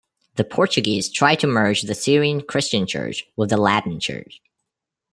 The Portuguese tried to merge the Syrian Christian Church with the Latin Church.